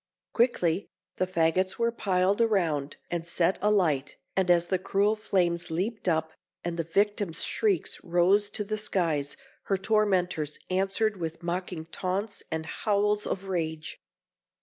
Quickly the faggots were piled around, and set alight; and as the cruel flames leaped up, and the victim's shrieks rose to the skies her tormentors answered with mocking taunts and howls of rage.